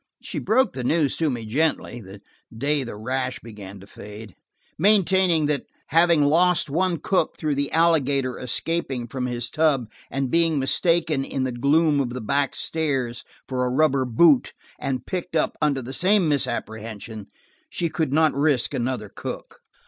She broke the news to me gently, the day the rash began to fade, maintaining that, having lost one cook through the alligator escaping from his tub and being mistaken, in the gloom of the back stairs, for a rubber boot, and picked up under the same misapprehension, she could not risk another cook.